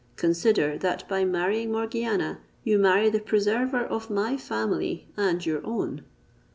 Consider, that by marrying Morgiana you marry the preserver of my family and your own."